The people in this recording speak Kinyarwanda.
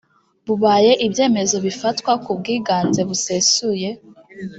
bubaye ibyemezo bifatwa ku bwiganze busesuye